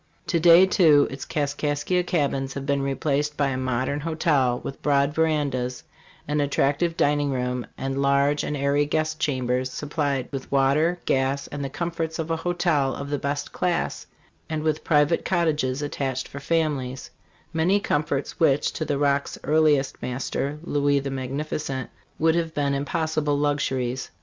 To day, too, its Kaskaskia cabins have been replaced by a modern hotel, with broad verandas, an attractive dining room, and large and airy guest chambers, supplied with water, gas, and the comforts of a hotel of the best class, and with private cottages attached for families, many comforts which, to the Rock's earliest master, Louis the Magnificent, would have been impos sible luxuries.